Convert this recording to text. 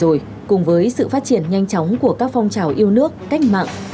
rồi cùng với sự phát triển nhanh chóng của các phong trào yêu nước cách mạng